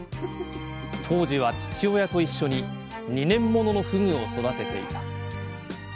当時は父親と一緒に２年もののふぐを育てていた。